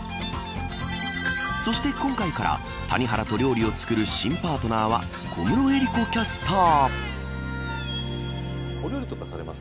そして今回から谷原と料理を作る新パートナーは小室瑛莉子キャスター。